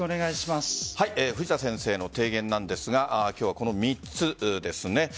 藤田先生の提言なんですが今日はこの３つです。